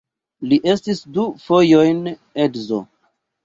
Li estis du fojojn edzo.